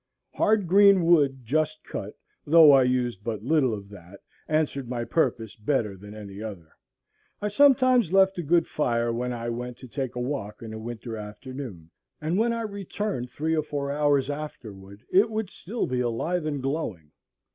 Hard green wood just cut, though I used but little of that, answered my purpose better than any other. I sometimes left a good fire when I went to take a walk in a winter afternoon; and when I returned, three or four hours afterward, it would be still alive and glowing.